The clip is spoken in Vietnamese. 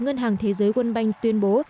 ngân hàng thế giới quân banh tuyên bố